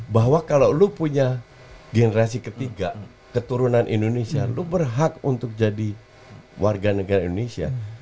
bahwa kalau lo punya generasi ketiga keturunan indonesia lo berhak untuk jadi warga negara indonesia